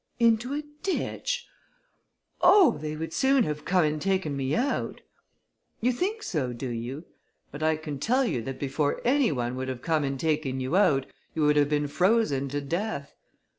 "Into a ditch? Oh! they would soon have come and taken me out." "You think so, do you? but I can tell you, that before any one would have come and taken you out, you would have been frozen to death.